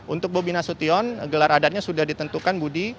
untuk bobina sution gelar adatnya sudah ditentukan budi